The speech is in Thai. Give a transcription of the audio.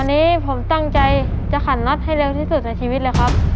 อันนี้ผมตั้งใจจะขันน็อตให้เร็วที่สุดในชีวิตเลยครับ